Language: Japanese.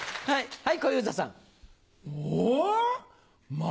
はい。